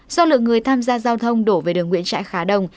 do lượng người tham gia giao thông đổ về đường nguyễn trãi khá đông